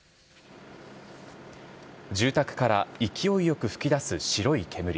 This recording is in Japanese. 住宅から勢いよく噴き出す白い煙。